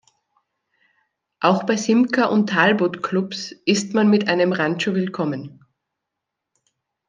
Auch bei Simca- und Talbot-Clubs ist man mit einem Rancho willkommen.